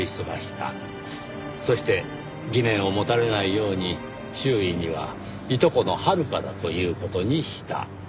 そして疑念を持たれないように周囲にはいとこの遥香だという事にした。